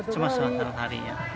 cuma satu hari